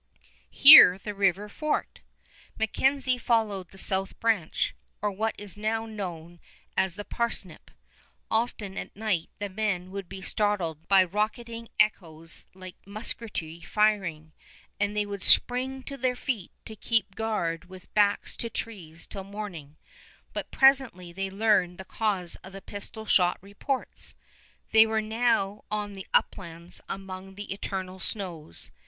Here the river forked. MacKenzie followed the south branch, or what is now known as the Parsnip. Often at night the men would be startled by rocketing echoes like musketry firing, and they would spring to their feet to keep guard with backs to trees till morning; but presently they learned the cause of the pistol shot reports. They were now on the Uplands among the eternal snows.